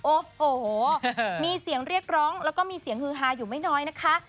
โอ้โหมีเสียงเรียกร้องแล้วก็มีเสียงฮือฮาอยู่ไม่น้อยนะคะ